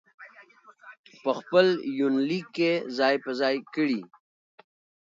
په خپل يونليک کې ځاى په ځاى کړي